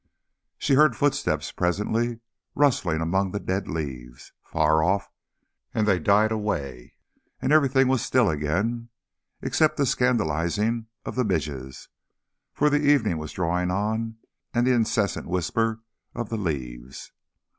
She heard footsteps presently rustling among the dead leaves, far off, and they died away and everything was still again, except the scandalising of the midges for the evening was drawing on and the incessant whisper of the leaves.